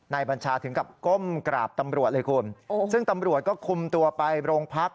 บัญชาถึงกับก้มกราบตำรวจเลยคุณซึ่งตำรวจก็คุมตัวไปโรงพัก